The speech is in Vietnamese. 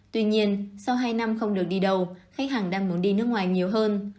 tuy nhiên sau hai năm không được đi đầu khách hàng đang muốn đi nước ngoài nhiều hơn